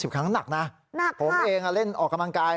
ครั้งน้ำหนักนะผมเองเล่นออกกำลังกาย